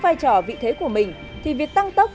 vai trò vị thế của mình thì việc tăng tốc